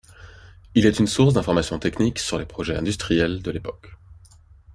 Il est une source d'informations techniques sur les projets industriels de l'époque.